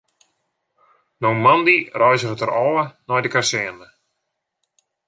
No moandei reizget er ôf nei de kazerne.